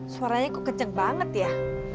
suaranya kok keceng banget ya